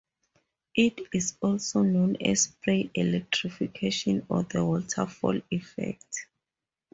It is also known as spray electrification or the waterfall effect.